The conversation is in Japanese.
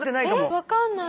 分からない。